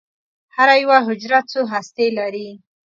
هره یوه حجره څو هستې لري.